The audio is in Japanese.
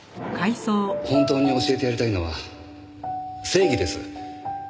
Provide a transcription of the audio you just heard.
本当に教えてやりたいのは正義です。